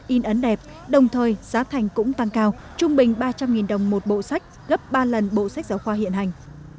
in ấn đẹp đồng thời giá thành cũng tăng cao trung bình ba trăm linh đồng một bộ sách gấp ba lần bộ sách giáo khoa hiện hành